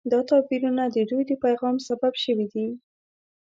دا توپیرونه د دوی د پیغام سبب شوي دي.